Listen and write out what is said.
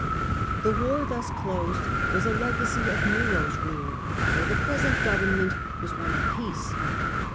The war thus closed was a legacy of Nero's rule, for the present government was one of peace.